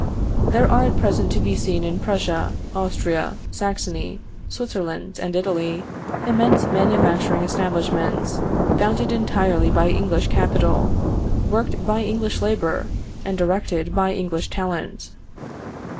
There are at present to be seen in Prussia, Austria, Saxony, Switzerland, and Italy, immense manufacturing establishments, founded entirely by English capital, worked by English labor, and directed by English talent."